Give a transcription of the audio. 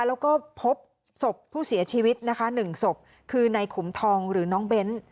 แล้วก็พบศพผู้เสียชีวิตนะคะ๑ศพคือนายขุมทองหรือน้องเบ้น